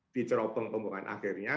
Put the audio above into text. dicerobong pembuangan akhirnya